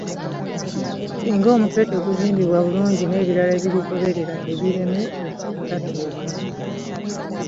Singa omutwe teguzimbibwa bulungi n’ebirala ebigugoberera tebiireme butatuuka.